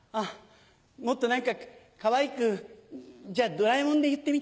もっと何かかわいくドラえもんで言ってみて。